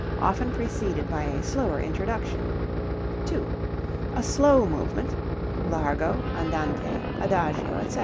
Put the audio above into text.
often preceded by a slower introduction. 2. A slow movement (largo, andante, adagio, etc.).